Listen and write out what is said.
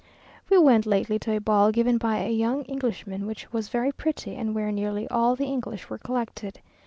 We went lately to a ball given by a young Englishman, which was very pretty, and where nearly all the English were collected.